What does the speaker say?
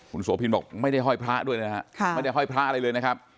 คุณโสพินบอกไม่ได้ห้อยพระด้วยนะฮะไม่ได้ห้อยพระอะไรเลยนะครับ